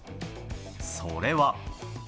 それは。